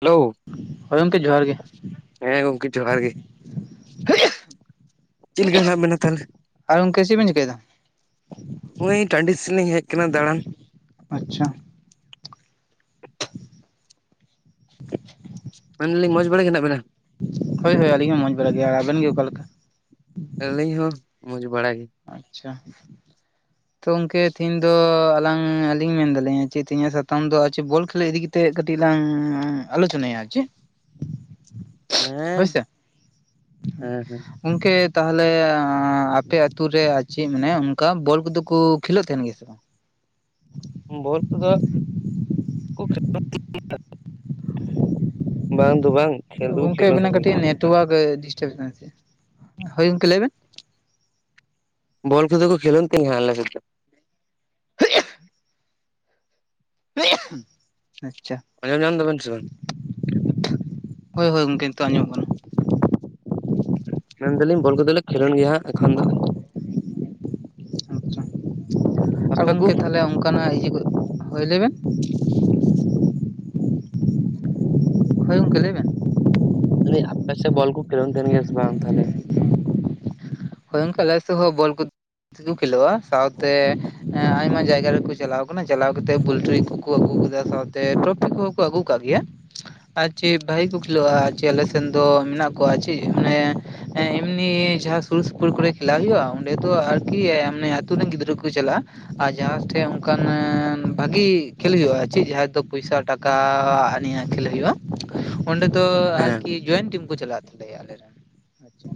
Hello ᱦᱳᱭ ᱜᱚᱝᱠᱮ ᱡᱚᱦᱟᱨ ᱜᱮ ᱦᱮᱸ ᱜᱚᱝᱠᱮ, ᱡᱚᱦᱟᱨ ᱜᱮᱹ᱾ ᱪᱮᱹᱜ ᱞᱮᱠᱟ ᱦᱮᱱᱟᱜ ᱵᱮᱱᱟ ᱛᱟᱦᱞᱮ? ᱟᱨ ᱜᱚᱝᱠᱮ ᱪᱮᱫ ᱵᱮᱱ ᱪᱤᱠᱟᱹᱭᱮᱫᱟ? ᱚᱶᱮᱭ ᱴᱟᱸᱰᱤ ᱥᱮᱸᱞᱤᱧ ᱦᱮᱡ ᱠᱟᱱᱟ ᱫᱟᱲᱟᱱ᱾ ᱟᱪᱪᱷᱟ᱾ ᱢᱮᱱᱟᱹᱞᱤᱧ ᱢᱚᱡᱽ ᱵᱟᱲᱟ ᱜᱮ ᱱᱟᱜ ᱵᱤᱱᱟ? ᱦᱳᱭ-ᱦᱳᱭ, ᱟᱹᱞᱤᱧ ᱦᱚᱸ ᱢᱚᱡᱽ ᱵᱟᱲᱟ ᱜᱮ ᱟ ᱟᱵᱮᱱ ᱜᱮ ᱚᱠᱟ ᱞᱮᱠᱟ? ᱟᱹᱞᱤᱧ ᱦᱚᱸ, ᱢᱚᱡᱽ ᱵᱟᱲᱟ ᱜᱮ᱾ ᱟᱪᱪᱷᱟ᱾ [inaudible] ᱛᱚ ᱣᱚᱝᱠᱮ ᱛᱷᱤᱧ ᱫᱚ ᱟᱞᱟᱝ, ᱮᱸ ᱟᱹᱞᱤᱧ ᱢᱮᱱ ᱫᱟᱹᱞᱤᱧ ᱡᱮ ᱛᱷᱤᱧᱟᱜ ᱥᱟᱛᱟᱢ ᱫᱚ ᱟᱪᱮ ᱵᱚᱞ ᱠᱷᱮᱹᱞᱮᱹ ᱤᱫᱤ ᱠᱮ ᱛᱮ ᱠᱟᱹᱴᱤᱜ ᱞᱟᱝ ᱩᱸ ᱟᱞᱳᱪᱚᱱᱟᱭᱟ ᱟ ᱪᱮᱹᱜ᱾ [inaudible] ᱦᱳᱭ ᱥᱮ ᱦᱮᱸᱦ ᱦᱮᱸ ᱦᱮᱸ ᱚᱝᱠᱮ ᱛᱟᱦᱞᱮ ᱟᱸ ᱟᱯᱮ ᱟ- ᱛᱩ ᱨᱮ ᱟ ᱪᱮ ᱢᱟᱱᱮ ᱚᱝᱠᱟ ᱵᱚᱞ ᱠᱚᱫᱚ ᱠᱚ ᱠᱷᱮᱹᱞᱳᱜ ᱛᱷᱮᱸᱱ ᱜᱮ ᱥᱮ ᱵᱟᱝ? ᱵᱚᱞ ᱠᱚᱫᱚ [inaudible] ᱵᱟᱝ ᱫᱚ ᱵᱟᱝ ᱠᱷᱮᱞ ᱫᱚᱠᱚ ᱜᱚᱝᱠᱮ, ᱠᱷᱮᱞᱳᱱ ᱠᱟᱱ ᱟᱵᱤᱱᱟᱜ ᱜᱮᱭᱟ ᱠᱟᱹᱴᱤᱜ ᱱᱮᱴᱣᱟᱠ ᱮ ᱰᱤᱥᱴᱟᱵ [inaudible] ᱦᱳ ᱭᱚᱝᱠᱮ ᱞᱟᱹᱭᱵᱮᱸ᱾ ᱵᱚᱞ ᱠᱷᱮᱹᱫᱟᱹ ᱠᱚ ᱠᱷᱮᱹᱞᱚᱱ ᱛᱷᱮᱸ ᱜᱮ ᱦᱟᱸᱜ ᱟᱞᱮ ᱥᱮᱫ ᱫᱚ᱾ ᱟᱪᱪᱟ᱾ ᱟᱸᱡᱚᱢ ᱧᱟᱢ ᱫᱟ ᱵᱮᱱ ᱥᱮ ᱵᱟᱝ? ᱦᱳᱭ-ᱦᱳᱭ ᱜᱚᱝᱠᱮ, ᱱᱤᱛᱳᱜ ᱟᱸᱡᱚᱢᱚᱜ ᱠᱟᱱᱟ᱾ ᱢᱮᱱᱫᱟᱞᱤᱧ ᱵᱚᱞ ᱠᱚᱫᱚ ᱞᱮ ᱠᱷᱮᱹᱞᱳᱱ ᱜᱮᱭᱟ ᱦᱟᱸᱜ ᱮᱠᱷᱚᱱ ᱫᱚ᱾ ᱟᱥᱟᱲ ᱟᱯᱮ ᱠᱚ ᱜᱚᱝᱠᱮ, ᱛᱷᱟᱞᱮ ᱚᱝᱠᱟᱱᱟᱜ ᱤᱭᱟᱹ ᱠᱳᱫᱳ, ᱦᱳᱭ ᱞᱟᱹᱵᱮᱱ ᱦᱳᱭ ᱜᱚᱝᱠᱮ, ᱞᱟᱹᱭ ᱵᱮᱱ᱾ ᱢᱮᱱᱫᱤ ᱟᱯᱮ ᱥᱮ ᱵᱚᱞ ᱠᱚ ᱠᱷᱮᱹᱞᱚᱱ ᱛᱷᱮᱸᱱ ᱜᱮ ᱥᱮ ᱵᱟᱝ ᱛᱟᱦᱞᱮ? ᱦᱳᱭᱚᱝᱠᱮ, ᱟᱞᱮᱥᱮᱜ ᱦᱚ ᱵᱚᱞ ᱠᱚ ᱥᱩᱫᱩ ᱠᱷᱮᱹᱞᱚᱜᱼᱟ ᱥᱟᱣᱛᱮ ᱮᱸ ᱟᱭᱢᱟ ᱡᱟᱭᱜᱟ ᱨᱮᱠᱚ ᱪᱟᱞᱟᱣ ᱠᱟᱱᱟ, ᱪᱟᱞᱟᱣ ᱠᱟᱛᱮ ᱵᱚᱞᱴᱨᱤ ᱠᱚ-ᱠᱚ ᱠᱚ ᱟᱜᱩᱣ ᱠᱟᱫᱟ ᱥᱟᱶᱛᱮ ᱴᱨᱚᱯᱷᱤ ᱠᱚᱦᱚ ᱠᱚ ᱟᱜᱩ ᱠᱟᱜ ᱜᱮᱭᱟ᱾ ᱟ ᱪᱮᱜ ᱵᱷᱟᱹᱜᱤ ᱠᱚ ᱠᱷᱮᱹᱞᱚᱜᱼᱟ, ᱡᱮ ᱮᱞᱮ ᱥᱮᱱ ᱫᱚ ᱢᱮᱱᱟᱜ ᱠᱚᱣᱟ ᱪᱮᱹᱜ ᱢᱟᱱᱮ ᱮᱸ ᱮᱢᱱᱤ ᱡᱟᱦᱟ ᱠᱩᱞ-ᱥᱩᱯᱩᱨ ᱠᱚᱨᱮ ᱠᱷᱮᱹᱞᱟ ᱦᱩᱭᱩᱜᱼᱟ᱾ ᱚᱸᱰᱮ ᱫᱚ ᱟᱨᱠᱤ ᱮ ᱟᱢᱱᱮ ᱟᱛᱩ ᱨᱮᱱ ᱜᱤᱫᱽᱨᱟᱹ ᱠᱩ ᱪᱟᱞᱟᱜᱼᱟ᱾ ᱟ ᱡᱟᱦᱟ ᱴᱷᱮᱡ ᱚᱝᱠᱟᱱᱟᱱ ᱵᱷᱟᱜᱤ ᱠᱷᱮᱹᱞ ᱭᱩᱜᱼᱟ ᱪᱮᱜ ᱡᱟᱦᱟᱸ ᱫᱚ ᱯᱚᱭᱥᱟ, ᱴᱟᱠ- -ᱠᱟ ᱟᱱᱤ ᱧᱟᱜ ᱠᱷᱮᱹᱞ ᱦᱩᱭᱩᱜᱼᱟ ᱚᱸᱰᱮ ᱫᱚ ᱦᱮᱸ ᱟᱨᱠᱤ ᱡᱚᱭᱮᱱ ᱴᱤᱢ ᱠᱚ ᱪᱟᱞᱟᱜ ᱛᱟᱞᱮᱭᱟ ᱟᱞᱮᱨᱮᱱ ᱟᱪᱪᱷᱟ᱾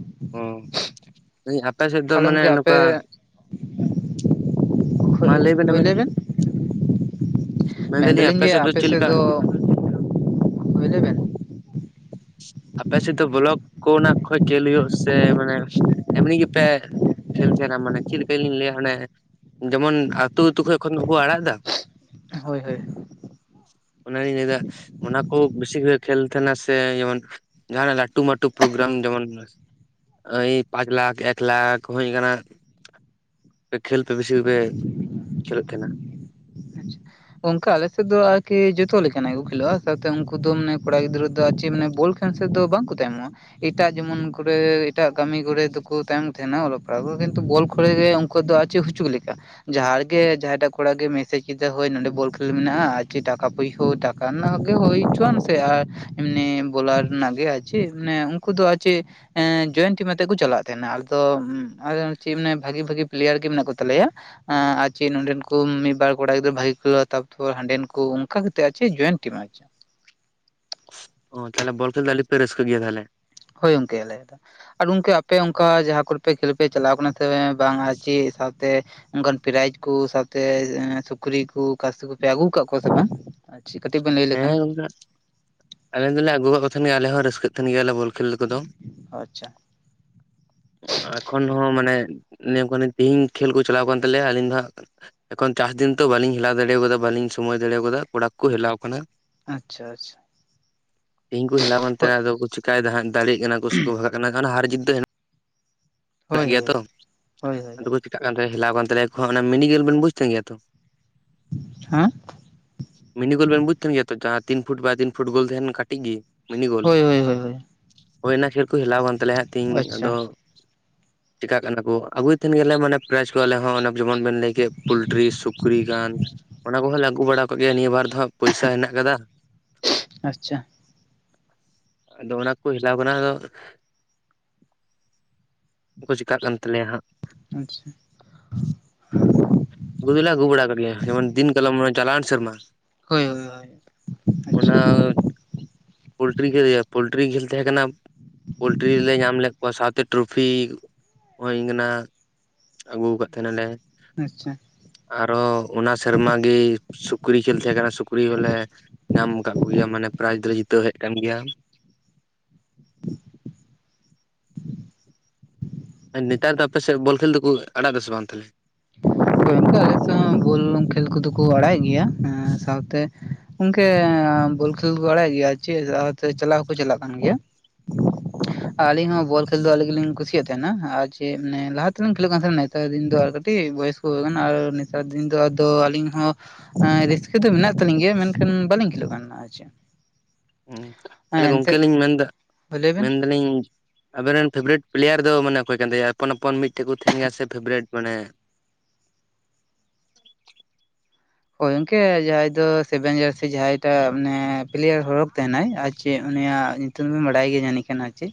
ᱢᱮᱭᱤᱸ ᱦᱟᱯᱮ ᱥᱮᱜ ᱫᱚ ᱢᱟᱱᱮ ᱱᱚᱠᱟ ᱢᱟ ᱞᱟᱹᱭ ᱵᱮᱱ ᱟᱵᱮᱱ ᱜᱤ ᱾ ᱢᱮᱱᱫᱟᱞᱤᱧ ᱡᱮ ᱟᱯᱮ ᱥᱮᱫ ᱫᱚ [inaudible] ᱦᱩᱭ ᱞᱮ ᱵᱮᱱ ᱾ ᱟᱯᱮ ᱥᱮᱫ ᱫᱚ ᱵᱞᱚᱠ ᱠᱚᱱᱟᱜ ᱠᱷᱚᱡ ᱠᱷᱮᱞ ᱦᱩᱭᱩᱜ-ᱟ ᱥᱮ ᱢᱟᱱᱮ ᱮᱢᱱᱤ ᱜᱮᱯᱮ ᱠᱷᱮᱞ ᱛᱟᱦᱮᱱᱟ ᱢᱟᱱᱮ ᱪᱮᱫ ᱞᱮᱠᱟ ᱞᱤᱧ ᱞᱟᱹᱭᱟ ᱚᱱᱮ ᱡᱮᱢᱚᱱ ᱟᱹᱛᱩ ᱟᱹᱛᱩ ᱠᱷᱚᱡ ᱠᱷᱚᱱ ᱵᱟᱠᱚ ᱟᱲᱟᱜ ᱮᱫᱟ ᱾ ᱦᱳᱭ ᱦᱳᱭ ᱾ ᱚᱱᱟ ᱞᱤᱧ ᱞᱟᱹᱭ ᱮᱫᱟ ᱚᱱᱟ ᱠᱚ ᱵᱮᱥᱤ ᱜᱷᱟᱹᱲᱤ ᱠᱷᱮᱞ ᱛᱟᱦᱮᱱᱟ ᱾ ᱥᱮ ᱡᱮᱢᱚᱱ ᱡᱟᱦᱱᱟᱜ ᱞᱟᱹᱴᱩ ᱢᱟᱹᱴᱩ ᱯᱨᱳᱜᱨᱟᱢ ᱡᱮᱢᱚᱱ ᱳᱭ ᱯᱟᱸᱪ ᱞᱟᱠᱷ ᱮᱠ ᱞᱟᱠᱷ ᱦᱩᱭ ᱠᱟᱱᱟ ᱾ ᱠᱷᱮᱞ ᱯᱮ ᱵᱮᱥᱤ ᱜᱮ ᱯᱮ ᱠᱷᱮᱞᱳᱜ ᱛᱟᱸᱦᱮᱱᱟ ᱾ ᱟᱪᱪᱷᱟ ᱚᱱᱠᱟ ᱟᱞᱮ ᱥᱮᱫ ᱫᱚ ᱟᱨᱠᱤ ᱡᱚᱛᱚ ᱞᱮᱠᱟᱱᱟᱜ ᱠᱚ ᱠᱷᱮᱞᱳᱜᱼᱟ, ᱥᱟᱶᱛᱮ ᱩᱱᱠᱩ ᱫᱚ ᱢᱟᱱᱮ ᱠᱚᱲᱟ ᱜᱤᱫᱽᱨᱟᱹ ᱫᱚ ᱟᱨ ᱪᱮᱫ ᱢᱟᱱᱮ ᱵᱚᱞ ᱠᱷᱮᱞ ᱥᱮᱫ ᱫᱚ ᱵᱟᱝ ᱠᱚ ᱛᱟᱭᱚᱢᱚᱜᱼᱟ ᱾ ᱮᱴᱟᱜ ᱡᱮᱢᱚᱱ ᱠᱚᱨᱮ ᱮᱴᱟᱜ ᱠᱟᱹᱢᱤ ᱠᱚᱨᱮ ᱫᱚᱠᱚ ᱛᱟᱭᱚᱢᱚᱜ ᱛᱟᱦᱮᱱᱟ ᱚᱞᱚᱜ ᱯᱟᱲᱦᱟᱜ ᱠᱚ ᱠᱤᱱᱛᱩ ᱵᱚᱞ [unintelligible] ᱠᱚᱫᱚ ᱟᱪᱩ ᱦᱚᱪᱩ ᱞᱮᱠᱟ ᱡᱟᱦᱟᱸ ᱨᱮᱜᱮ ᱡᱟᱦᱟᱸᱭᱴᱟᱜ ᱠᱚᱲᱟ ᱜᱮ ᱢᱮᱥᱮᱡ ᱠᱮᱫᱟ ᱦᱳᱭ ᱱᱚᱰᱮ ᱵᱚᱞ ᱠᱷᱮᱞ ᱢᱮᱱᱟᱜᱼᱟ ᱟᱨ ᱪᱮ ᱴᱟᱠᱟ [unintelligible] ᱴᱟᱠᱟ ᱨᱮᱱᱟᱜ ᱜᱮ ᱦᱩᱭ ᱦᱚᱪᱚᱣᱟᱱ ᱥᱮ ᱟᱨ ᱮᱢᱱᱤ ᱵᱚᱞᱟᱨ ᱨᱮᱱᱟᱜ ᱜᱮ ᱟᱨ ᱪᱮᱫ ᱢᱟᱱᱮ ᱩᱱᱠᱩ ᱫᱚ ᱟᱨ ᱪᱮᱫ ᱮᱸᱻ ᱡᱚᱭᱮᱱ ᱴᱤᱢ ᱟᱛᱮᱜ ᱠᱚ ᱪᱟᱞᱟᱜ ᱛᱟᱦᱮᱱᱟ ᱾ ᱟᱫᱚ ᱪᱮᱫ ᱢᱟᱱᱮ ᱵᱷᱟᱜᱤ ᱵᱷᱟᱜᱤ ᱯᱞᱮᱭᱟᱨ ᱜᱮ ᱢᱮᱱᱟᱜ ᱠᱚ ᱛᱟᱞᱮᱭᱟ ᱾ ᱟᱨ ᱪᱮᱫ ᱱᱚᱰᱮᱱ ᱠᱚ ᱢᱤᱫᱵᱟᱨ ᱠᱚᱲᱟ ᱜᱤᱫᱽᱨᱟᱹ ᱵᱷᱟᱜᱤ ᱠᱚ ᱛᱟᱯᱚᱨ ᱦᱟᱸᱰᱮᱱ ᱠᱚ ᱚᱱᱠᱟ ᱠᱟᱛᱮᱫ ᱟᱨ ᱪᱮ ᱡᱚᱭᱮᱱᱴ [unintelligible] ᱚ ᱛᱟᱦᱚᱞᱮ ᱵᱚᱞ ᱠᱷᱮᱞ ᱫᱚ ᱟᱹᱰᱤ ᱯᱮ ᱨᱟᱹᱥᱠᱟᱹᱜ ᱜᱮᱭᱟ ᱛᱟᱦᱞᱮ? ᱦᱳᱭ ᱜᱚᱝᱠᱮ ᱟᱞᱮ ᱟᱫᱚ ᱟᱨ ᱜᱚᱝᱠᱮ ᱟᱯᱮ ᱚᱱᱠᱟ ᱡᱟᱦᱟᱸ ᱠᱚᱨᱮᱯᱮ ᱠᱷᱮᱞ ᱯᱮ ᱪᱟᱞᱟᱣ ᱠᱟᱱᱟ ᱥᱮ ᱵᱟᱝ ᱟᱨ ᱪᱮᱫ ᱥᱟᱶᱛᱮ ᱚᱱᱠᱟᱱ ᱯᱨᱟᱭᱤᱡ ᱠᱚ ᱥᱟᱶᱛᱮ ᱥᱩᱠᱨᱤ ᱠᱚ ᱠᱟᱥᱤ ᱠᱚᱯᱮ ᱟᱹᱜᱩ ᱟᱠᱟᱫ ᱠᱚᱣᱟ ᱥᱮ ᱵᱟᱝ? ᱟᱪᱪᱷᱟ ᱠᱟᱹᱴᱤᱡ ᱵᱮᱱ ᱞᱟᱹᱭ ᱦᱮᱸ ᱞᱮᱠᱷᱟᱱ ᱜᱚᱝᱠᱮ ᱟᱞᱮ ᱫᱚᱞᱮ ᱟᱹᱜᱩ ᱟᱠᱟᱜ ᱠᱚ ᱛᱟᱦᱮᱱ ᱟᱞᱮ ᱦᱚᱸ ᱨᱟᱹᱥᱠᱟᱹᱜ ᱛᱟᱦᱮᱱ ᱜᱮᱭᱟᱞᱮ ᱵᱚᱞ ᱠᱷᱮᱞ ᱠᱚᱫᱚ ᱾ ᱟᱪᱪᱷᱟ [inaudible] [inaudible] ᱮᱠᱷᱚᱱ ᱦᱚᱸ ᱢᱟᱱᱮ ᱞᱟᱭᱟ. ᱢ ᱠᱟ. ᱱᱟ. ᱧ ᱛᱮᱦᱤᱧ ᱠᱷᱮᱞ ᱠᱚ ᱪᱟᱞᱟᱣ ᱟᱠᱟᱱ ᱛᱟᱞᱮᱭᱟ ᱾ ᱟᱹᱞᱤᱧ ᱫᱚ ᱦᱟᱸᱜ ᱮᱠᱷᱚᱱ ᱪᱟᱥ ᱫᱤᱱ ᱛᱚ ᱵᱟᱹᱞᱤᱧ ᱦᱮᱞᱟᱣ ᱫᱟᱲᱮ ᱟᱠᱟᱫᱟ ᱵᱟᱹᱞᱤᱧ ᱥᱚᱢᱚᱭ ᱫᱟᱲᱮ ᱟᱠᱟᱫᱟ ᱠᱚᱲᱟ ᱠᱚ ᱦᱮᱞᱟᱣ ᱟᱠᱟᱱᱟ ᱾ ᱟᱪᱪᱷᱟ ᱟᱪᱪᱷᱟ ᱾ ᱛᱤᱦᱤᱧ ᱠᱩ ᱦᱮᱞᱟᱣ ᱠᱟᱱ ᱛᱟᱦᱮᱸᱱᱟ, ᱟᱫᱚ ᱠᱚ ᱪᱮᱠᱟᱭ ᱮᱫᱟ ᱦᱟᱸᱜ ᱫᱟᱲᱮᱜ ᱠᱟᱱᱟ ᱠᱚ ᱥᱮᱠᱚ ᱵᱷᱟᱜᱟᱜ ᱠᱟᱱᱟ ᱦᱟᱨ ᱡᱤᱛ ᱫᱚ ᱢᱮᱱᱟᱜ ᱦᱳᱭ ᱜᱮᱭᱟ ᱦᱳᱭ ᱛᱚ ᱦᱳᱭ [inaudible] ᱦᱳᱭ ᱟᱫᱚ ᱠᱚ ᱪᱤᱠᱟᱜ ᱠᱟᱱ [unintelligible] ᱦᱮᱞᱟᱣ ᱠᱟᱱ ᱛᱟᱞᱮᱭᱟ ᱠᱚ ᱦᱟᱸᱜ ᱚᱱᱟ ᱢᱮᱱᱟ ᱠᱷᱮᱞ ᱵᱮᱱ ᱵᱩᱡ ᱛᱟᱦᱮᱱ ᱜᱮᱭᱟ ᱛᱚ? ᱦᱮᱸ ᱢᱤᱱᱤ ᱜᱳᱞ ᱵᱮᱱ ᱵᱩᱡᱽ ᱛᱟᱦᱮᱱ ᱜᱮᱭᱟ ᱛᱚ ᱡᱟᱦᱟᱸ ᱛᱤᱱ ᱯᱷᱩᱴ ᱵᱟᱭ ᱛᱤᱱ ᱯᱷᱩᱴ ᱜᱳᱞ ᱛᱟᱦᱮᱱᱟ ᱠᱟᱹᱴᱤᱡ ᱜᱮ ᱾ ᱢᱤᱱᱤ ᱜᱳᱞ ᱦᱳᱭ ᱦᱳᱭ ᱦᱳᱭ ᱦᱳᱭ [inaudible] ᱦᱳᱭ ᱚᱱᱟ ᱠᱷᱮᱞ ᱠᱚ ᱦᱮᱞᱟᱣ ᱟᱠᱟᱱ ᱛᱟᱞᱮᱭᱟ ᱦᱟᱸᱜ ᱛᱤᱦᱤᱧ ᱱᱤᱛᱚᱜ ᱟᱪᱪᱷᱟ ᱫᱚ ᱾ ᱪᱤᱠᱟᱹᱜ ᱠᱟᱱᱟ ᱠᱚ ᱟᱹᱜᱩᱭᱮᱫ ᱛᱟᱦᱮᱱ ᱜᱮᱭᱟᱞᱮ ᱢᱟᱱᱮ ᱯᱨᱟᱭᱤᱡ ᱠᱚ ᱟᱞᱮ ᱦᱚᱸ, ᱚᱱᱮ ᱡᱮᱢᱚᱱ ᱵᱮᱱ ᱞᱟᱹᱭ ᱠᱮᱫ ᱯᱳᱞᱴᱨᱤ ᱥᱩᱠᱨᱤ ᱜᱟᱱ ᱚᱱᱟ ᱠᱚᱦᱚᱸ ᱞᱮ ᱟᱹᱜᱩ ᱵᱟᱲᱟ ᱟᱠᱟᱜ ᱜᱮᱭᱟ ᱱᱤᱭᱟᱹ ᱵᱟᱨ ᱫᱚ ᱦᱟᱜ ᱯᱚᱭᱥᱟ ᱦᱮᱱᱟᱜ ᱟᱠᱟᱫᱟ ᱾ [inaudible] ᱟᱪᱪᱷᱟ ᱟᱫᱚ ᱚᱱᱟ ᱠᱚ ᱦᱮᱞᱟᱣ ᱠᱟᱱᱟ ᱟᱫᱚ ᱩᱱ ᱠᱚ ᱪᱮᱠᱟᱹᱜ ᱠᱟᱱ ᱛᱟᱞᱮᱭᱟ ᱦᱟᱸᱜ ᱾ ᱟᱪᱪᱷᱟ ᱾ ᱟᱹᱜᱩ ᱫᱚᱞᱮ ᱟᱹᱜᱩ ᱵᱟᱲᱟ ᱟᱠᱟᱜ ᱜᱮᱭᱟ ᱡᱮᱢᱚᱱ ᱫᱤᱱ ᱠᱟᱞᱚᱢ ᱪᱟᱞᱟᱣᱮᱱ ᱥᱮᱨᱢᱟ ᱦᱳᱭ ᱦᱳᱭ ᱦᱳᱭ ᱾ [inaudible] ᱚᱱᱟ ᱟᱪᱪᱷᱟ ᱯᱳᱞᱴᱨᱤ ᱠᱷᱮᱞ ᱭᱟ ᱯᱳᱞᱴᱨᱤ ᱠᱷᱮᱞ ᱛᱟᱦᱮᱸ ᱠᱟᱱᱟ ᱾ ᱯᱳᱞᱴᱨᱤ ᱞᱮ ᱧᱟᱢ ᱞᱮᱫ ᱠᱚᱣᱟ ᱥᱟᱶᱛᱮ ᱴᱨᱚᱯᱷᱤ ᱦᱩᱭ ᱠᱟᱱᱟ ᱾ ᱟᱹᱜᱩ ᱟᱠᱟᱫ ᱛᱟᱦᱮᱱ ᱟᱞᱮ ᱾ ᱟᱪᱪᱷᱟ ᱾ ᱟᱨᱦᱚᱸ ᱚᱱᱟ ᱥᱮᱨᱢᱟ ᱜᱮ ᱥᱩᱠᱨᱤ ᱠᱷᱮᱞ ᱛᱟᱦᱮᱸ ᱠᱟᱱᱟ ᱥᱩᱠᱨᱤ ᱦᱚᱞᱮ ᱧᱟᱢ ᱟᱠᱟᱢ ᱠᱚᱜᱮᱭᱟᱢ ᱢᱟᱱᱮ ᱯᱨᱟᱭᱤᱡ ᱫᱚᱞᱮ ᱡᱤᱛᱟᱹᱣ ᱦᱮᱡ ᱠᱟᱱ ᱜᱮᱭᱟ ᱾ ᱱᱮᱛᱟᱨ ᱫᱚ ᱟᱯᱮᱥᱮᱫ ᱵᱚᱞ ᱠᱷᱮᱞ ᱫᱚᱠᱩ ᱟᱲᱟᱜ ᱫᱟᱥᱮ ᱵᱟᱝ ᱛᱷᱟᱞᱮ? ᱦᱳᱭ ᱚᱱᱠᱟ ᱟᱞᱮ ᱥᱮᱫ ᱦᱚᱸ ᱵᱚᱞ ᱠᱷᱮᱞ ᱠᱚᱫᱚ ᱠᱩ ᱟᱲᱟᱭᱮᱫ ᱜᱮᱭᱟ ᱮᱸ ᱥᱟᱶᱛᱮ ᱚᱝᱠᱮ ᱵᱚᱞ ᱠᱷᱮᱞ ᱠᱚ ᱟᱲᱟᱭᱮᱫ ᱜᱮᱭᱟ ᱾ ᱪᱮᱜ ᱟᱛᱮ ᱪᱟᱞᱟ‌ ᱦᱚᱸᱠᱚ ᱪᱟᱞᱟᱜ ᱠᱟᱱ ᱜᱮᱭᱟ ᱾ [inaudible] ᱟᱹᱞᱤᱧ ᱦᱚᱸ ᱵᱚᱞ ᱠᱷᱮᱞ ᱫᱚ ᱟᱞᱤ ᱜᱮᱞᱤᱧ ᱠᱩᱥᱤᱭᱟᱜ ᱛᱟᱦᱮᱱᱟ ᱟᱨ ᱡᱮ ᱢᱟᱱᱮ ᱞᱟᱦᱟ ᱛᱮᱞᱤᱧ ᱠᱷᱮᱞᱳᱜ ᱠᱟᱱ ᱛᱷᱟᱱᱮ ᱛᱟ ᱫᱤᱱ ᱫᱚ ᱟᱨ ᱠᱟᱹᱴᱤᱡ ᱵᱚᱭᱚᱥ ᱠᱚ [unintelligible] ᱠᱟᱱᱟ ᱟᱨ ᱪᱟᱨ ᱫᱤᱱ ᱫᱚ ᱟᱫᱚ ᱟᱹᱞᱤᱧ ᱦᱚᱸ ᱮᱸ ᱨᱟᱹᱥᱠᱟᱹ ᱫᱚ ᱢᱮᱱᱟᱜ ᱛᱟᱞᱤᱧ ᱜᱮᱭᱟ ᱢᱮᱱᱠᱷᱟᱱ ᱵᱟᱞᱤᱧ ᱠᱷᱮᱞᱳᱜ ᱠᱟᱱᱟ ᱾ ᱟᱪᱪᱷᱟ, ᱦᱩᱸ ᱛᱟᱦᱞᱮ ᱜᱚᱝᱠᱮ ᱞᱤᱧ ᱢᱮᱱᱫᱟ ᱞᱟᱹᱭ ᱵᱮᱱ ᱢᱮᱱᱫᱟᱞᱤᱧ ᱟᱵᱮ ᱨᱮᱱ ᱯᱷᱮᱵᱮᱨᱮᱴ ᱯᱞᱮᱭᱟᱨ ᱫᱚ ᱢᱟᱱᱮ ᱚᱠᱚᱭ ᱠᱟᱱ ᱛᱟᱭᱟ ᱟᱯᱚᱱ ᱟᱯᱚᱱ ᱢᱤᱫᱴᱮᱱ ᱠᱚ ᱛᱟᱦᱮᱱ ᱜᱮᱭᱟ ᱥᱮ ᱯᱷᱮᱵᱮᱨᱮᱴ ᱢᱟᱱᱮ ᱾ ᱚᱭ ᱜᱚᱝᱠᱮ ᱡᱟᱦᱟᱸᱭ ᱫᱚ ᱥᱮᱵᱷᱮᱱ ᱡᱟᱹᱨᱥᱤ ᱡᱟᱦᱟᱸᱭ ᱴᱟᱜ ᱢᱟᱱᱮ ᱯᱞᱮᱭᱟᱨ ᱦᱚᱲᱚᱠ ᱛᱟᱦᱮᱱᱟᱭ ᱟᱨ ᱪᱮᱜ ᱩᱱᱤᱭᱟᱜ ᱛᱩᱢ ᱫᱚ ᱵᱟᱰᱟᱭ ᱜᱮᱭᱟ ᱡᱟᱹᱱᱤ ᱠᱷᱟᱱ ᱟᱨ ᱪᱮ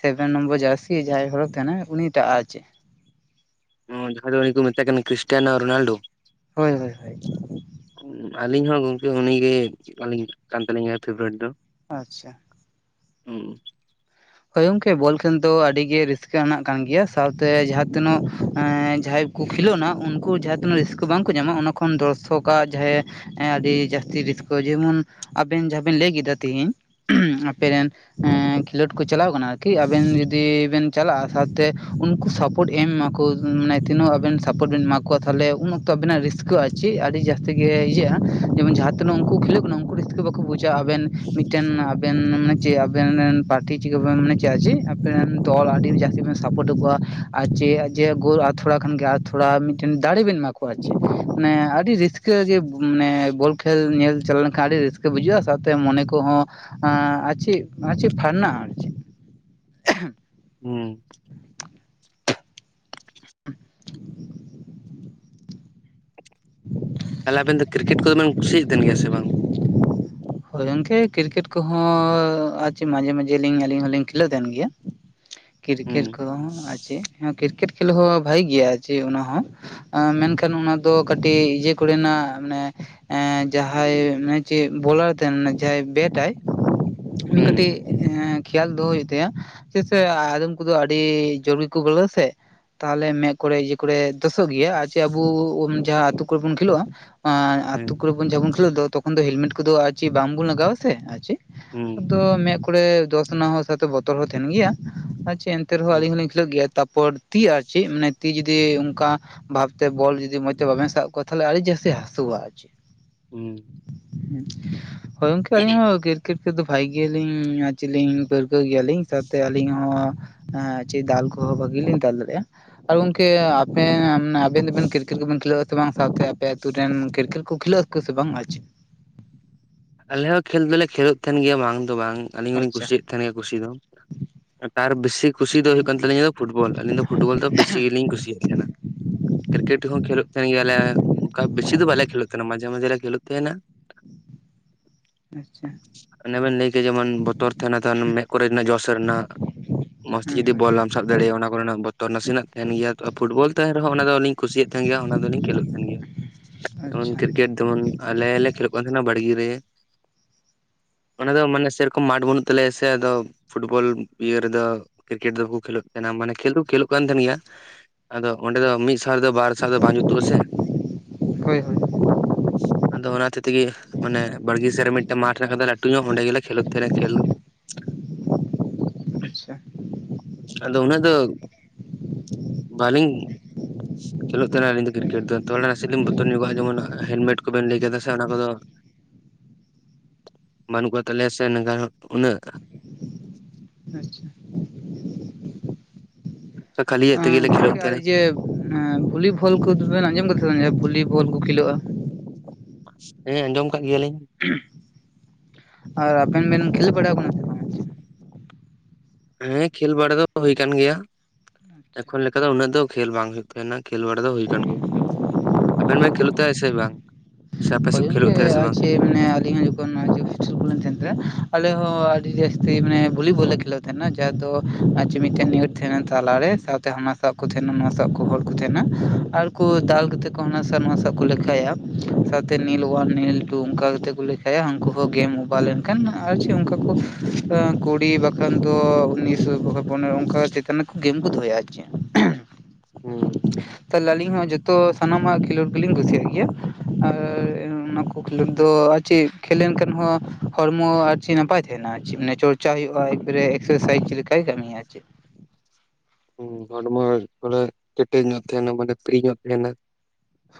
ᱥᱮᱵᱷᱮᱱ ᱱᱚᱢᱵᱚᱨ ᱡᱟᱹᱨᱥᱤ ᱡᱟᱦᱟᱸᱭ ᱦᱚᱲ ᱛᱟᱦᱮᱱᱟᱭ ᱩᱱᱤ ᱴᱟᱜᱼᱟ ᱟᱨ ᱪᱮ ᱾ ᱚᱸ ᱡᱟᱦᱟᱸᱭ ᱫᱚ ᱩᱱᱤ ᱠᱚ ᱢᱮᱛᱟᱭ ᱠᱟᱱᱟ ᱠᱷᱨᱤᱥᱴᱤᱭᱟᱱᱳ ᱨᱳᱱᱟᱞᱰᱳ ᱾ ᱦᱳᱭ ᱦᱳᱭ ᱦᱳᱭ ᱾ ᱟᱹᱞᱤᱧ ᱦᱚᱸ ᱜᱚᱝᱠᱮ ᱩᱱᱤᱜᱮ ᱟᱹᱞᱤᱧ ᱠᱟᱱ ᱛᱟᱹᱞᱤᱧᱟᱭ ᱯᱷᱮᱵᱮᱨᱮᱴ ᱫᱚ ᱾ ᱟᱪᱷᱟ, ᱦᱩᱸ ᱦᱳᱭ ᱚᱝᱠᱮ ᱵᱚᱞ ᱠᱷᱮᱞ ᱫᱚ ᱟᱹᱰᱤ ᱜᱮ ᱨᱟᱹᱥᱠᱟᱹ ᱟᱱᱟᱜ ᱠᱟᱱ ᱜᱮᱭᱟ ᱥᱟᱶᱛᱮ ᱡᱟᱦᱟᱸ ᱛᱤᱱᱟᱹᱜ ᱮᱸ ᱡᱟᱦᱟᱸᱭ ᱾ ᱠᱩ ᱠᱷᱮᱞᱳᱱᱟ ᱩᱱᱠᱩ ᱡᱟᱦᱟᱸ ᱛᱤᱱᱟᱹᱜ ᱨᱟᱹᱥᱠᱟᱹ ᱵᱟᱝᱠᱚ ᱧᱟᱢᱟ ᱚᱱᱟ ᱠᱷᱚᱱ ᱫᱚᱨᱥᱚᱠ ᱟᱜ ᱡᱟᱦᱟᱭ ᱮ ᱮ ᱟᱹᱰᱤ ᱡᱟᱹᱥᱛᱤ ᱨᱤᱥᱠᱟᱹ ᱡᱮᱢᱚᱱ ᱟᱵᱮᱱ ᱡᱟᱦᱟᱸ ᱵᱮᱱ ᱞᱟᱹᱭ ᱠᱮᱫᱟ ᱛᱤᱦᱤᱧ ᱾ [inaudible] ᱟᱯᱮ ᱨᱮᱱ ᱮᱸ ᱠᱷᱮᱞᱳᱰ ᱾ ᱠᱚ ᱪᱟᱞᱟᱣ ᱠᱟᱱᱟ ᱟᱨᱠᱤ ᱟᱵᱮᱱ ᱡᱩᱫᱤ ᱵᱮᱱ ᱪᱟᱞᱟᱜᱼᱟ ᱥᱟᱶᱛᱮ ᱩᱱᱠᱩ ᱥᱟᱯᱳᱴ ᱮᱢ ᱢᱟᱠᱚ ᱾ ᱱᱟᱭ ᱛᱤᱱᱟᱹᱜ ᱟᱵᱮᱱ ᱥᱟᱯᱳᱴ ᱵᱤᱱ ᱮᱢᱟ ᱠᱚᱣᱟ ᱛᱷᱟᱞᱮ ᱩᱱ ᱚᱠᱛᱚ ᱟᱵᱤᱱ ᱱᱟᱜ ᱨᱤᱥᱠᱟᱹ ᱟᱨ ᱪᱤᱜ ᱟᱹᱰᱤ ᱡᱟᱹᱥ ᱛᱤ ᱜᱮ ᱤᱭᱟᱹᱜᱼᱟ ᱡᱮᱢᱚᱱ ᱡᱟᱦᱟᱸ ᱛᱤᱱᱟᱹᱜ ᱩᱱᱠᱩ ᱠᱷᱮᱞᱳᱜ ᱠᱟᱱᱟ ᱩᱱᱠᱩ ᱨᱤᱥᱠᱟ. ᱵᱟᱠᱚ ᱵᱩᱡᱼᱟ ᱟᱵᱮᱱ ᱢᱤᱫ ᱴᱮᱱ ᱟᱵᱮᱱ ᱢᱮ ᱪᱮᱜ ᱟᱵᱮᱱ ᱨᱮᱱ ᱯᱟᱴ ᱛᱤ ᱪᱤᱠᱟ. ᱵᱟᱝ ᱢᱟᱱᱮ ᱪᱮ ᱟᱪᱷᱤ ᱟᱯᱮ ᱨᱮᱱ ᱫᱚᱞ ᱟᱹᱰᱤ ᱡᱟᱹᱥᱛᱤ ᱵᱤᱱ ᱥᱟᱯᱳᱨᱴ ᱟᱜᱩᱣᱟ ᱟᱨ ᱪᱮᱜ ᱾ ᱡᱮ ᱜᱳᱞ ᱟᱨ ᱛᱷᱚᱲᱟ ᱠᱷᱟᱱᱜᱮ ᱟᱨ ᱛᱷᱚᱲᱟ ᱢᱤᱫᱴᱮᱱ ᱫᱟᱲᱮ ᱵᱮᱱ ᱮᱢᱟ ᱠᱚᱣᱟ ᱟᱨ ᱡᱮ ᱟᱹᱰᱤ ᱨᱤᱥᱠᱤ ᱠᱟᱹ ᱜᱮ ᱢᱟᱱᱮ ᱵᱚᱞ ᱠᱷᱮᱞ ᱧᱮᱞ ᱪᱟᱞᱟ ᱞᱮᱱᱠᱷᱟᱱ ᱟᱹᱰᱤ ᱨᱟᱹᱥᱠᱟᱹ ᱵᱩᱡᱷᱟᱹᱜᱼᱟ ᱥᱟᱶᱛᱮ ᱢᱚᱱᱮ ᱠᱚᱦᱚ ᱟ ᱪᱮᱜ ᱱᱚᱣᱟ ᱪᱮᱜ ᱯᱷᱟᱨᱱᱟᱜᱼᱟ ᱟᱨ ᱪᱮᱜ [inaudible] ᱦᱩᱸ ᱛᱟᱞᱮ ᱟᱵᱮᱱ ᱠᱤᱨᱠᱮᱴ ᱠᱚᱫᱚ ᱵᱮᱱ ᱠᱩᱥᱤᱭᱟᱜ ᱛᱮᱱ ᱜᱮᱭᱟ ᱥᱮ ᱵᱟᱝ? ᱦᱳᱭ ᱜᱚᱝᱠᱮ ᱠᱨᱤᱠᱮᱴ ᱠᱚᱦᱚ ᱟᱨ ᱪᱮᱜ ᱢᱟᱡᱷᱮ ᱢᱟᱡᱷᱮ ᱞᱤᱧ ᱟᱹᱞᱤᱧ ᱦᱚᱞᱤᱧ ᱠᱷᱮᱞᱳᱜ ᱛᱟᱦᱮᱱ ᱜᱮᱭᱟ ᱾ [inaudible] ᱠᱨᱤᱠᱮᱴ ᱠᱚ ᱫᱚ ᱟ ᱪᱮ ᱠᱨᱤᱠᱮᱴ ᱠᱷᱮᱞ ᱦᱚᱸ ᱵᱷᱟᱜᱤ ᱜᱮᱭᱟ ᱡᱮ ᱚᱱᱟ ᱦᱚᱸ ᱾ ᱟᱸ ᱢᱮᱱᱠᱷᱟᱱ ᱚᱱᱟ ᱫᱚ ᱠᱟᱹᱴᱤᱡ ᱤᱭᱟᱹ ᱠᱚᱨᱮᱱᱟᱜ ᱢᱟᱱᱮ ᱮᱸ ᱡᱟᱦᱟᱸᱭ ᱢᱮ ᱪᱮᱜ ᱵᱚᱞᱟᱨ ᱛᱟᱦᱮᱱ ᱱᱟᱭ ᱡᱟᱦᱟᱸᱭ ᱵᱮᱴᱟᱭ ᱩᱱᱤ ᱦᱩᱸ ᱠᱟᱹᱴᱤᱡ ᱮ ᱠᱷᱮᱭᱟᱞ ᱫᱚᱦᱚᱭ ᱦᱩᱭᱩᱜ ᱛᱟᱭᱟ ᱪᱮ ᱥᱮ ᱟᱫᱚᱢ ᱠᱚᱫᱚ ᱟᱹᱰᱤ ᱡᱳᱨ ᱜᱮᱠᱚ ᱵᱚᱞᱟ ᱥᱮ ᱾ ᱛᱟᱦᱟᱞᱮ ᱢᱮᱫ ᱠᱚᱨᱮ ᱤᱭᱟᱹ ᱠᱚᱨᱮ ᱫᱚᱥᱚᱜ ᱜᱮᱭᱟ ᱟᱨ ᱪᱮ ᱟᱵᱩ ᱩᱢ ᱡᱟᱦᱟᱸ ᱟᱹᱛᱩ ᱠᱚᱨᱮ ᱵᱚᱱ ᱠᱷᱮᱞᱳᱜᱼᱟ ᱾ ᱟ. ᱦᱩᱸ ᱟᱹᱛᱩ ᱠᱚᱨᱮᱱ ᱵᱚᱱ ᱡᱚᱠᱷᱚᱱ ᱠᱷᱮᱞᱳᱜ ᱫᱚ ᱛᱚᱠᱷᱚᱱ ᱫᱚ ᱦᱮᱞᱢᱮᱴ ᱠᱚᱫᱚ ᱟᱪᱤ ᱵᱟᱝᱵᱚᱱ ᱞᱟᱜᱟᱣᱼᱟ ᱥᱮ ᱟᱨ ᱪᱮᱜ ᱦᱩᱸ ᱾ ᱟᱫᱚ ᱢᱮᱜ ᱠᱚᱨᱮ ᱫᱚᱥ ᱱᱟᱜ ᱦᱚᱸ ᱥᱟᱛᱮ ᱵᱚᱛᱚᱨ ᱦᱚᱸ ᱛᱟᱦᱮᱱ ᱜᱮᱭᱟ ᱟᱪᱷᱮ ᱮᱱᱛᱮ ᱨᱮᱦᱚᱸ ᱦᱩᱸ ᱟᱹᱞᱤᱧ ᱦᱚᱸᱞᱤᱧ ᱾ ᱦᱳᱭᱳᱜ ᱜᱮᱭᱟ ᱛᱟᱨᱯᱚᱨ ᱛᱤ ᱟᱨ ᱪᱤᱜ ᱢᱟᱱᱮ ᱛᱤ ᱡᱩᱫᱤ ᱚᱝᱠᱟ ᱵᱷᱟᱵᱛᱮ ᱵᱚᱞ ᱡᱩᱫᱤ ᱢᱚᱸᱡᱽ ᱛᱮ ᱵᱟᱵᱮᱱ ᱥᱟᱵ ᱠᱚᱣᱟ ᱛᱷᱟᱞᱮ ᱟᱹᱰᱤ ᱡᱟᱹᱥᱛᱤ ᱦᱟᱹᱥᱩᱣᱟ ᱟᱨᱪᱮ ᱾ [inaudible] ᱦᱩᱸ ᱦᱳᱭ ᱜᱚᱝᱠᱮ ᱟᱹᱞᱤᱧ ᱦᱚᱸ ᱠᱨᱤᱠᱮᱴ ᱠᱷᱮᱞ ᱫᱚ ᱵᱷᱟᱭ ᱜᱮᱞᱤᱧ ᱟ ᱪᱮᱜ ᱞᱤᱧ ᱯᱟᱹᱨᱠᱟᱹᱣ ᱜᱮᱭᱟᱞᱤᱧ ᱥᱟᱶᱛᱮ ᱟᱹᱞᱤᱧ ᱦᱚᱸ ᱾ ᱦᱮᱸ ᱪᱮᱫ ᱫᱟᱞ ᱠᱚᱦᱚᱸ ᱵᱷᱟᱜᱮ ᱞᱤᱧ ᱫᱟᱞ ᱫᱟᱲᱮᱭᱟᱜᱼᱟ᱾ ᱟᱨ ᱜᱚᱝᱠᱮ ᱟᱯᱮᱱ ᱟᱵᱮᱱ ᱫᱚᱵᱮᱱ ᱠᱤᱨᱠᱮᱴ ᱠᱚᱵᱮᱱ ᱠᱷᱮᱞᱳᱜ ᱟᱥᱮ ᱵᱟᱝ ᱥᱟᱶᱛᱮ ᱟᱯᱮ ᱟᱛᱩ ᱨᱮᱱ ᱠᱨᱤᱠᱮᱴ ᱠᱚ ᱠᱷᱮᱞᱳᱜᱼᱟ ᱠᱩ ᱥᱮ ᱵᱟᱝ ᱟᱨ ᱪᱮᱫ? ᱟᱞᱮ ᱦᱚᱸ ᱠᱷᱮᱞ ᱫᱚᱞᱮ ᱠᱷᱮᱞᱳᱜ ᱛᱟᱦᱮᱱ ᱜᱮᱭᱟ ᱵᱟᱝ ᱫᱚ ᱵᱟᱝ ᱟᱹᱞᱤᱧ ᱦᱚᱸᱞᱤᱧ ᱟᱪᱪᱷᱟ ᱠᱩᱥᱤᱭᱟᱜ ᱛᱟᱦᱮᱱ ᱜᱮᱭᱟ ᱠᱩᱥᱤ ᱫᱚ᱾ ᱛᱟᱨ ᱵᱮᱥᱤ ᱠᱩᱥᱤ ᱫᱚ ᱦᱩᱭᱩᱜ ᱠᱟᱱ ᱛᱟᱹᱞᱤᱧᱟ ᱫᱚ ᱯᱷᱩᱴᱵᱚᱞ᱾ ᱟᱞᱤᱧ ᱫᱚ ᱯᱷᱩᱴᱵᱚᱞ ᱫᱚ ᱵᱤᱥᱤ ᱜᱮᱞᱤᱧ ᱠᱩᱥᱤᱭᱟᱜ ᱛᱟᱦᱮᱱᱟ᱾ ᱠᱨᱤᱠᱮᱴ ᱦᱚᱸ ᱠᱷᱮᱹᱞᱳᱜ ᱛᱟᱦᱮᱱ ᱜᱮᱭᱟᱞᱮᱺ ᱚᱱᱠᱟ ᱵᱮᱥᱤ ᱫᱚ ᱵᱟᱞᱮ ᱠᱷᱮᱞᱳᱜ ᱛᱟᱦᱮᱱᱟ ᱢᱟᱡᱮ ᱢᱟᱡᱷᱮ ᱞᱮ ᱠᱷᱮᱞᱞᱳᱜ ᱛᱟᱦᱮᱱᱟ᱾ ᱟᱪᱪᱷᱟ ᱚᱱᱮ ᱵᱮᱱ ᱞᱟᱹᱭ ᱠᱮᱫ ᱡᱮᱢᱚᱱ ᱵᱚᱛᱚᱨ ᱛᱟᱦᱮᱱᱟ ᱛᱚ ᱦᱟᱱᱮ ᱢᱮᱫ ᱠᱚᱨᱮ ᱨᱮᱱᱟᱜ ᱡᱚᱥ ᱨᱮᱱᱟᱜ᱾ ᱢᱚᱸᱡᱽ ᱛᱮ ᱦᱳᱭ ᱡᱩᱫᱤ ᱦᱳᱭ ᱵᱚᱞ ᱵᱟᱢ ᱥᱟᱵ ᱫᱟᱲᱮᱭᱟᱜᱼᱟ ᱚᱱᱟ ᱠᱚᱨᱮᱱᱟᱜ ᱵᱚᱛᱚᱨ ᱱᱟᱥᱮᱱᱟᱜ ᱛᱟᱦᱮᱱ ᱜᱮᱭᱟ᱾ ᱯᱷᱩᱴᱵᱚᱞ ᱛᱟᱦᱮᱱ ᱨᱮᱦᱚᱸ ᱚᱱᱟ ᱫᱚ ᱟᱞᱤᱧ ᱠᱩᱥᱤᱭᱟᱜ ᱛᱟᱦᱮᱱ ᱜᱮᱭᱟ, ᱚᱱᱟ ᱫᱚᱞᱤᱧ ᱠᱷᱮᱞᱳᱜ ᱛᱟᱦᱮᱱ ᱜᱮᱭᱟ᱾ ᱟᱪᱪᱷᱟ᱾ ᱠᱮᱴ ᱡᱮᱢᱚᱱ ᱟᱞᱮ ᱞᱮ ᱠᱷᱮᱞᱳᱜ ᱠᱟᱱ ᱛᱟᱦᱮᱱᱟ ᱵᱟᱲᱜᱮ ᱨᱮ᱾ ᱚᱱᱟ ᱫᱚ ᱢᱟᱱᱮ ᱥᱮᱨᱚᱠᱚᱢ ᱢᱟᱴᱷ ᱵᱟᱹᱱᱩᱜ ᱛᱟᱞᱮᱭᱟ ᱥᱮ ᱟᱫᱚ ᱯᱷᱩᱴᱵᱚᱞ ᱤᱭᱟᱹ ᱨᱮᱫᱚ ᱠᱨᱤᱠᱮᱴ ᱫᱚ ᱵᱟᱠᱚ ᱠᱷᱮᱹᱞᱳᱜ ᱛᱟᱦᱮᱱᱟ ᱢᱟᱱᱮ ᱠᱷᱮᱞᱞ ᱫᱚ ᱠᱷᱹᱮᱞᱳᱜ ᱠᱟᱱ ᱛᱟᱦᱮᱱ ᱜᱮᱭᱟ᱾ ᱟᱫᱚ ᱚᱸᱰᱮ ᱫᱚ ᱢᱤᱫ ᱥᱟᱣ ᱨᱮᱫᱚ ᱵᱟᱨ ᱥᱟᱣ ᱨᱮᱫᱚ ᱵᱟᱝ ᱡᱩᱛᱩᱜ ᱟᱥᱮ᱾ ᱦᱳᱭ ᱦᱳᱭ ᱟᱫᱚ ᱚᱱᱟ ᱦᱚᱛᱮᱫ ᱛᱮᱜᱮ ᱢᱟᱱᱮ ᱵᱲᱜᱤ ᱥᱮᱟᱨ ᱢᱤᱫᱴᱮᱱ ᱢᱟᱴ ᱦᱮᱱᱟᱜ ᱠᱟᱫᱟ ᱞᱟᱴᱩ ᱧᱚᱜ ᱚᱸᱰᱮ ᱜᱮᱮ ᱠᱷᱮᱞᱚᱜ ᱛᱟᱦᱮᱱᱟ ᱠᱷᱮᱞ ᱟᱪᱪᱷᱟ᱾ ᱟᱫᱚ ᱩᱱᱟᱹᱜ ᱫᱚ ᱵᱟᱹᱞᱤᱧ ᱠᱷᱮᱞᱳᱜ ᱛᱟᱦᱮᱱᱟ ᱟᱹᱞᱤᱧ ᱫᱚ ᱠᱨᱤᱠᱮᱴ ᱫᱚ ᱛᱚᱵᱮ ᱱᱟ ᱱᱟᱥᱮ ᱞᱤᱧ ᱵᱚᱛᱚᱨ ᱧᱚᱜᱼᱟ ᱡᱮᱢᱚᱱ ᱦᱮᱞᱢᱮᱴ ᱠᱚᱵᱮᱱ ᱞᱟᱹᱭ ᱠᱮᱫᱫᱟ ᱥᱮ ᱚᱱᱟ ᱠᱚᱫᱚ ᱵᱟᱹᱱᱩᱜ ᱠᱟᱫ ᱛᱟᱞᱮᱭᱟ ᱥᱮ ᱱᱮᱝᱠᱟ ᱩᱱᱟᱹᱜ ᱟᱪᱪᱷᱟ᱾ ᱠᱷᱟᱹᱤᱭᱜ ᱛᱮᱜᱮᱞᱮ ᱠᱷᱮᱞᱳᱜ ᱛᱟᱦᱮᱱᱟ᱾ ᱚᱱᱟ ᱵᱷᱩᱞᱤ ᱵᱷᱚᱞ ᱠᱚ ᱫᱚᱵᱮᱱ ᱟᱸᱡᱚᱢ ᱠᱟᱫ ᱛᱟᱦᱮ ᱥᱮ ᱵᱟᱝ ᱡᱟᱦᱟᱸ ᱵᱷᱩᱞᱤᱵᱚᱞ ᱠᱚ ᱠᱷᱮᱞᱳᱜᱼᱟ᱾ ᱦᱮᱸ ᱟᱸᱡᱚᱢ ᱠᱟᱜ ᱜᱮᱭᱟᱞᱤᱧ᱾ ᱟᱨ ᱟᱵᱮᱱ ᱵᱮᱱ ᱠᱷᱮᱞ ᱵᱟᱲᱟᱣ ᱠᱟᱱᱟ ᱥᱮ ᱵᱟᱝ ᱦᱮᱸ ᱠᱷᱮᱞ ᱵᱟᱲᱟ ᱫᱚ ᱦᱩᱭ ᱠᱟᱱ ᱜᱮᱭᱟ᱾ ᱟᱪᱪᱷᱟ ᱮᱠᱷᱚᱱ ᱞᱮᱠᱟ ᱫᱚ ᱩᱱᱟᱹᱜ ᱫᱚ ᱠᱷᱮᱞ ᱵᱟᱝ ᱦᱩᱭᱩᱜ᱾ ᱛᱮᱱᱟᱜ ᱠᱷᱮᱞ ᱵᱟᱲᱟ ᱫᱚ ᱦᱩᱭ ᱠᱟᱱ ᱜᱮᱭᱟ᱾ ᱟᱵᱮᱱ ᱵᱮᱱ ᱠᱷᱮᱞᱳᱜ ᱛᱟᱭ ᱥᱮ ᱵᱟᱝ ᱥᱮ ᱟᱯᱮ ᱥᱮᱫ ᱦᱳᱭ ᱠᱚ ᱠᱷᱮᱞᱳᱜ ᱜᱚᱝᱠᱮ ᱛᱟᱦᱮᱱᱟ ᱥᱮ ᱟᱨ ᱵᱟᱝ? ᱪᱮᱫ ᱢᱟᱱᱮ ᱟᱹᱞᱤᱧ ᱦᱚᱸ ᱡᱚᱠᱷᱚᱱ ᱦᱳᱥᱴᱮᱞ ᱠᱚᱞᱤᱧ ᱛᱟᱦᱮᱱ ᱛᱟᱦᱮ, ᱟᱞᱮ ᱦᱚᱸ ᱟᱹᱰᱤ ᱡᱟᱹᱥᱛᱤ ᱢᱮ ᱵᱚᱞᱤ ᱵᱚᱞ ᱞᱮ ᱠᱷᱮᱞᱳᱜ ᱛᱟᱦᱮᱱᱟ ᱡᱟᱦᱟᱸ ᱫᱚ ᱯᱟᱸᱪ ᱢᱤᱫᱴᱮᱱ ᱱᱤᱭᱟᱹᱴ ᱛᱟᱦᱮᱱᱟ ᱛᱟᱞᱟᱨᱮ ᱥᱟᱶᱛᱮ ᱦᱟᱱᱟ ᱥᱟᱵ ᱠᱚ ᱛᱟᱦᱮᱱᱟ ᱱᱚᱣᱟ ᱥᱟᱵ ᱠᱚ ᱦᱚᱲ ᱠᱚ ᱛᱟᱦᱮᱱᱟ᱾ ᱟᱨᱠᱩ ᱫᱟᱞ ᱠᱟᱛᱮ ᱠᱚ ᱦᱟᱱᱟ ᱥᱟᱵ ᱱᱚᱣᱟ ᱥᱟᱵ ᱠᱚ ᱞᱟᱜᱤᱫ ᱠᱷᱟᱭᱟ ᱥᱟᱶᱛᱮ ᱱᱤᱞ ᱚᱳᱣᱟᱱ, ᱱᱤᱞ ᱴᱩ ᱚᱱᱠᱟ ᱠᱟᱛᱮ ᱠᱚ ᱞᱮᱠᱷᱟᱭᱟ ᱦᱟᱹᱱᱠᱩ ᱦᱚᱸ ᱜᱮᱢ ᱚᱵᱷᱟᱨ ᱞᱮᱱ ᱠᱷᱟᱱ ᱠᱷᱟᱱ ᱟᱨ ᱪᱮᱫ ᱚᱱᱠᱟ ᱠᱚ ᱠᱩᱲᱤ ᱵᱟᱠᱷᱟᱱ ᱫᱚ ᱩᱱᱤᱥᱚ ᱵᱟᱠᱷᱟᱡ ᱯᱚᱱᱮᱨᱚ ᱚᱱᱠᱟ ᱪᱮᱛᱟᱱ ᱜᱮᱢ ᱠᱚ ᱫᱚᱦᱚᱭᱟ ᱟᱨ ᱪᱮᱜ᱾ ᱦᱩᱸ᱾ ᱛᱟᱦᱚᱞᱮ ᱟᱹᱞᱤᱧ ᱦᱚᱸ ᱡᱚᱛᱚ ᱥᱟᱱᱟᱢᱟᱜ ᱠᱷᱮᱞᱳᱰ ᱜᱮᱞᱤᱧ ᱠᱩᱥᱤᱭᱟᱜ ᱜᱮ ᱜᱮᱭᱟ ᱟᱨ ᱚᱱᱟ ᱠᱚ ᱠᱷᱮᱞᱳᱰ ᱫᱚ ᱟᱨ ᱪᱮᱫ ᱠᱷᱮᱞ ᱞᱮᱱᱠᱷᱟᱱ ᱦᱚᱸ ᱦᱚᱲᱢᱚ ᱟᱨ ᱪᱮᱫ ᱱᱟᱯᱟᱭ ᱛᱟᱦᱮᱱᱟ ᱟᱨ ᱪᱮᱜ ᱢᱟᱱᱮ ᱪᱚᱨᱪᱟ ᱦᱩᱭᱩᱜᱼᱟ ᱮᱠᱵᱟᱨᱮ ᱮᱠᱥᱟᱨᱥᱟᱭᱤᱡᱽ ᱞᱮᱠᱟᱭ ᱠᱟᱹᱢᱤᱭᱟ ᱟᱨ ᱪᱮᱫ᱾ ᱦᱚᱲᱢᱚ ᱵᱚᱞᱮ ᱠᱮᱴᱮᱡ ᱧᱚᱜ ᱛᱟᱦᱮᱱᱟ ᱢᱟᱱᱮ ᱯᱷᱨᱤ ᱧᱚᱜ ᱛᱟᱦᱮᱱᱟ᱾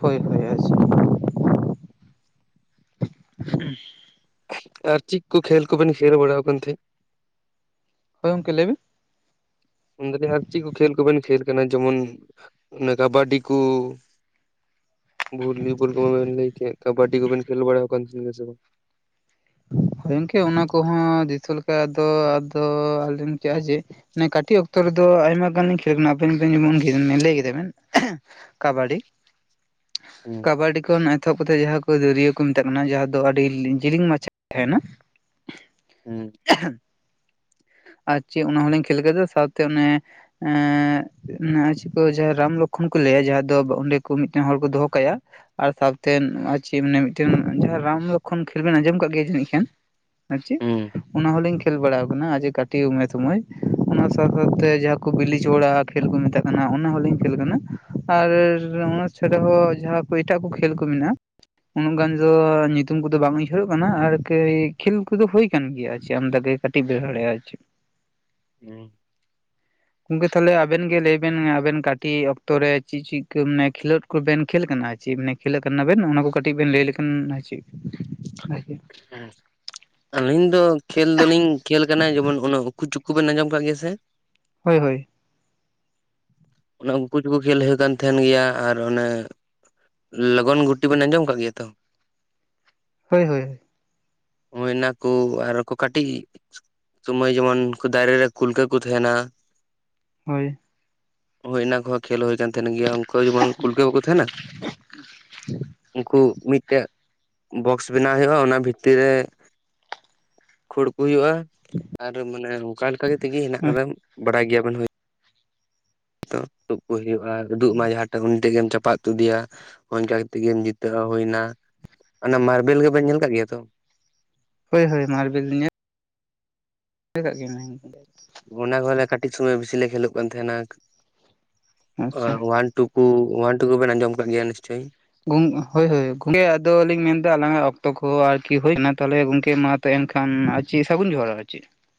ᱦᱳᱭ ᱦᱳᱭ ᱟᱪᱪᱷᱟ᱾ ᱟᱨ ᱪᱮᱫ ᱠᱚ ᱠᱷᱮᱞ ᱠᱚᱵᱮᱱ ᱥᱮᱨ ᱵᱟᱲᱟᱣ ᱟᱠᱟᱱ ᱛᱟᱦᱮᱸᱫ? ᱦᱳᱭ ᱜᱚᱢᱠᱮ ᱞᱟᱹᱭᱵᱤᱱ? ᱢᱮᱱᱫᱟᱞᱤᱧ ᱟᱨ ᱪᱮᱫ ᱠᱚ ᱠᱷᱮᱞ ᱠᱚᱵᱮᱱ ᱠᱷᱮᱞ ᱠᱟᱱᱟ ᱡᱮᱢᱚᱱ ᱚᱱᱟ ᱠᱟᱵᱟᱰᱤ ᱠᱚ᱾ ᱵᱷᱚᱞᱤᱵᱚᱞ ᱠᱚ ᱢᱟᱱᱮᱱ ᱞᱟᱹᱭ ᱠᱮᱫ᱾ ᱠᱟᱵᱟᱰᱤ ᱠᱚᱵᱮᱱ ᱠᱷᱮᱞ ᱵᱟᱲᱟᱭᱟ ᱟᱠᱟᱱ ᱛᱟᱦᱮᱱ ᱜᱮᱭᱟ ᱫᱮ ᱵᱟᱝ? ᱦᱳᱭ ᱜᱚᱝᱠᱮ ᱚᱱᱟ ᱠᱚᱦᱚᱸ ᱫᱤᱥᱟᱹ ᱞᱮᱠᱟᱫᱚ ᱟᱫᱚ ᱟᱞ ᱠᱮᱫᱼᱟ ᱡᱮᱼᱼ ᱠᱟᱹᱴᱤᱡ ᱚᱠᱛᱚ ᱨᱮᱫᱚ ᱟᱭᱢᱟ ᱜᱟᱱ ᱠᱷᱮᱞᱳᱜ ᱠᱟᱱᱟ ᱟᱵᱮᱱᱢ ᱞᱟᱹᱭ ᱠᱮᱫᱟ ᱵᱮᱱ᱾ ᱠᱟᱵᱟᱰᱤ᱾ ᱠᱟᱵᱟᱰᱤ ᱠᱷᱚᱱ ᱮᱛᱚᱦᱚᱵ ᱠᱟᱛᱮᱫ ᱡᱟᱦᱟᱸ ᱠᱚ ᱫᱟᱹᱨᱭᱟᱹ ᱠᱚ ᱢᱮᱛᱟᱜ ᱠᱟᱱᱟ ᱡᱟᱦᱟᱸ ᱫᱚ ᱟᱹᱰᱤ ᱡᱤᱞᱤᱧ ᱢᱟᱪᱷᱟ᱾ ᱛᱟᱦᱮᱱᱟ᱾ ᱦᱩᱸ᱾ ᱟᱨ ᱪᱮᱫ ᱚᱱᱟ ᱦᱚᱞᱤᱧ ᱠᱷᱮᱞ ᱠᱮᱫᱟ ᱥᱟᱶᱛᱮ ᱚᱱᱮᱼᱼ ᱮ ᱪᱮᱫ ᱠᱚ ᱡᱟᱦᱟᱸ ᱨᱟᱢ ᱞᱚᱠᱠᱷᱚᱱ ᱠᱚ ᱞᱟᱹᱭᱟ ᱡᱟᱦᱟᱸ ᱫᱚ ᱚᱸᱰᱮ ᱠᱚ ᱢᱤᱫᱴᱮᱱ ᱦᱚᱲ ᱠᱚ ᱫᱚᱦᱚ ᱠᱟᱭᱟᱼᱼ ᱟᱨ ᱥᱟᱶᱛᱮ ᱪᱮᱫ ᱢᱟᱱᱮ ᱢᱤᱫᱴᱮᱱ ᱡᱟᱦᱟᱸ ᱨᱟᱢ ᱞᱚᱠᱠᱷᱚᱱ ᱠᱷᱮᱞ ᱵᱮᱱ ᱟᱸᱡᱚᱢ ᱠᱟᱜ ᱜᱮᱼᱼ ᱡᱟᱱᱤᱡ ᱠᱷᱟᱱ ᱟᱨ ᱪᱮᱫ ᱦᱩᱸ ᱚᱱᱟ ᱦᱚᱞᱤᱧᱼᱼ ᱠᱷᱮᱞ ᱵᱟᱲᱟᱟᱣ ᱟᱠᱟᱱᱟ ᱟᱡᱮ ᱠᱟᱹᱴᱤᱡ ᱩᱢᱮᱨ ᱥᱢᱚᱭ ᱚᱱᱟ ᱥᱟᱶ ᱥᱟᱶᱛᱮ ᱡᱟᱦᱟᱸ ᱠᱚ ᱵᱤᱞᱤᱡ ᱵᱟᱲᱟᱼᱼ ᱠᱷᱮᱞ ᱠᱚ ᱢᱮᱛᱟᱜ ᱠᱟᱱᱟ ᱚᱱᱟ ᱦᱚᱸᱞᱤᱧ ᱠᱷᱮᱞ ᱠᱟᱱᱟ ᱟᱨ ᱚᱱᱟ ᱪᱷᱟᱲᱟ ᱦᱚᱸ ᱡᱟᱦᱟᱸᱼᱼ ᱮᱴᱟᱜ ᱠᱚ ᱠᱷᱮᱞ ᱠᱚ ᱢᱮᱱᱟᱜᱼᱟ ᱩᱱᱟᱹᱜ ᱜᱟᱱ ᱫᱚ ᱧᱩᱛᱩᱢ ᱠᱚᱫᱚ ᱵᱟᱝ ᱩᱭᱦᱟᱹᱨᱚᱜ ᱠᱟᱱᱟ ᱟᱨ, ᱠᱷᱮᱞ ᱠᱚᱫᱚ ᱦᱩᱭ ᱠᱟᱱ ᱜᱮᱭᱟ ᱟᱨ ᱪᱮᱫ ᱟᱢᱫᱟᱜ ᱜᱮ ᱠᱟᱹᱴᱤᱡ ᱵᱮᱲᱼᱟ ᱟᱨ ᱪᱮᱫ᱾ ᱦᱩᱸ ᱜᱚᱝᱠᱮ ᱛᱟᱞᱚᱦᱮ ᱟᱵᱮᱱ ᱜᱮ ᱞᱟᱹᱭᱵᱮᱱ ᱟᱵᱮᱱ ᱠᱟᱹᱴᱤᱡ ᱚᱠᱛᱚ ᱨᱮ ᱪᱤᱫ ᱪᱤᱫ ᱠᱚ ᱢᱟᱱᱮ ᱠᱷᱮᱞᱳᱰ᱾ ᱠᱚ ᱵᱮᱱ ᱠᱷᱮᱞ ᱠᱟᱱᱟ ᱪᱮᱫ ᱢᱟᱱᱮ ᱠᱷᱮᱞᱟ ᱠᱟᱱᱟ ᱵᱮᱱ ᱚᱱᱟ ᱠᱚ ᱠᱟᱹᱴᱤᱡ ᱵᱮᱱ ᱞᱟᱹᱭ ᱞᱮᱠᱷᱟᱱ ᱪᱮᱫ᱾ ᱵᱷᱟᱜᱮ ᱟᱹᱞᱤᱧ ᱫᱚ ᱠᱷᱮᱹᱞ ᱫᱚᱞᱤᱧ ᱠᱷᱮᱹᱞ ᱠᱟᱱᱟ ᱡᱮᱢᱚᱱ ᱩᱱᱟᱹᱜᱼᱼ ᱩᱠᱩ ᱪᱩᱠᱩ ᱵᱮᱱ ᱟᱸᱡᱚᱢᱠᱟᱜ ᱜᱮᱭᱟ ᱥᱮ? ᱦᱳᱭ ᱦᱳᱭ᱾ ᱚᱱᱟ ᱩᱱᱠᱩ ᱪᱩᱠᱩ ᱠᱷᱮᱞ ᱦᱳᱭᱳᱜ ᱠᱟᱱ ᱛᱟᱦᱮᱱ ᱜᱮᱭᱟ ᱟᱨ ᱚᱱᱮᱼᱼ ᱞᱚᱜᱚᱱ ᱜᱩᱴᱤ ᱵᱮᱱ ᱟᱸᱡᱚᱢ ᱟᱠᱟᱫ ᱜᱮᱭᱟ ᱛᱚ, ᱦᱳᱭ ᱦᱳᱭ᱾ ᱦᱚᱭ ᱚᱱᱟ ᱠᱚ ᱟᱨᱠᱚ ᱠᱟᱹᱴᱤᱡᱼᱼ ᱥᱩᱢᱚᱭ ᱡᱮᱢᱚᱱ ᱩᱱᱠᱩ ᱫᱟᱨᱮ ᱨᱮ ᱠᱩᱞᱠᱟᱹ ᱠᱚ ᱛᱟᱦᱮᱱᱟᱼᱼ ᱦᱳᱭ᱾ ᱦᱳᱭ ᱚᱱᱟ ᱠᱚᱦᱚᱸ ᱠᱷᱮᱞ ᱦᱳᱭ ᱠᱟᱱ ᱛᱟᱦᱮᱱ ᱜᱮᱭᱟ ᱩᱱᱠᱩ ᱡᱮᱢᱚᱱ ᱠᱩᱞᱠᱟᱹᱣ ᱵᱟᱠᱚ ᱛᱟᱦᱮᱱᱟ, ᱩᱱᱠᱩ ᱢᱤᱫᱴᱮᱜ ᱵᱚᱠᱥ ᱵᱮᱱᱟᱣ ᱦᱩᱭᱩᱜᱼᱟ ᱚᱱᱟ ᱵᱷᱤᱛᱤᱨ ᱨᱮᱼᱼ ᱠᱷᱳᱲ ᱠᱚ ᱦᱩᱭᱩᱜᱼᱟ ᱟᱨ ᱢᱟᱱᱮ ᱚᱱᱠᱟ ᱞᱮᱠᱟ ᱛᱮᱜᱮ ᱦᱮᱱᱟᱜ ᱠᱟᱫᱟ ᱵᱟᱲᱟᱭ ᱜᱮᱭᱟ᱾ ᱛᱩᱜ ᱠᱚ ᱦᱩᱭᱩᱜᱼᱟ ᱛᱩᱰᱩᱜ ᱢᱟ ᱡᱟᱦᱟᱸ᱾ ᱩᱱᱤ ᱴᱟᱜ ᱜᱮᱢ ᱪᱟᱯᱟ ᱩᱛᱩᱫᱮᱭᱟ ᱚᱱᱠᱟ ᱠᱟᱛᱮᱜ ᱜᱮᱢ ᱡᱤᱛᱟᱹᱜ ᱦᱩᱭ ᱮᱱᱟ᱾ ᱚᱱᱟ ᱢᱟᱨᱵᱮᱞ ᱜᱮᱵᱮᱱ ᱧᱮᱞ ᱠᱟᱜ ᱜᱮᱭᱟ ᱛᱚ᱾ ᱦᱳᱭ ᱦᱳᱭ ᱢᱟᱨᱵᱮᱞ ᱧᱮᱞᱼᱼ ᱠᱟᱜ ᱜᱮ [inaudible] ᱚᱱᱟ ᱠᱚᱞᱮ ᱠᱟᱹᱴᱤᱡ ᱥᱩᱚᱢᱚᱭ ᱵᱮᱥᱤ ᱞᱮ ᱠᱷᱞᱳᱜ ᱠᱟᱱ ᱛᱟᱦᱮᱱᱟ ᱟᱪᱪᱷᱟ ᱚᱣᱟᱱᱼᱼ ᱴᱩᱠᱩ ᱚᱣᱟᱱ ᱴᱩᱠᱩ ᱵᱮᱱ ᱟᱸᱡᱚᱢ ᱟᱠᱟᱫ ᱜᱮᱭᱟ ᱱᱤᱥᱪᱳᱭ᱾ ᱜᱳᱢ ᱦᱳᱭ ᱦᱳᱭ ᱜᱚᱝᱠᱮ ᱟᱫ ᱞᱤᱧ ᱢᱮᱱ ᱮᱫᱟ ᱟᱞᱟᱝᱟᱜ ᱚᱠᱛᱚ ᱠᱚ ᱦᱚ ᱟᱨᱠᱤ ᱦᱳᱭ ᱠᱟᱱᱟ ᱛᱮᱦᱚᱞᱮ ᱜᱚᱝᱠᱮ ᱢᱟᱼᱼ ᱛᱮᱱᱠᱷᱟᱱ ᱟᱨ ᱪᱮᱫ ᱥᱟᱹᱜᱩᱱ ᱡᱚᱦᱟᱨᱚᱜᱼᱟ ᱟᱨ ᱪᱮᱫ᱾